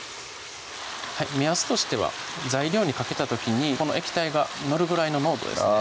目安としては材料にかけた時にこの液体が載るぐらいの濃度です